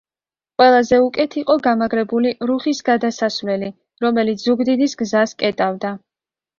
ყველაზე უკეთ იყო გამაგრებული რუხის გადასასვლელი, რომელიც ზუგდიდის გზას კეტავდა.